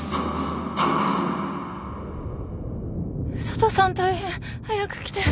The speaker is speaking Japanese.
佐都さん大変早く来て。